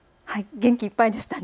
元気いっぱいでしたね。